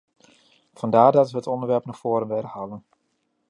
Vandaar dat we het onderwerp naar voren willen halen.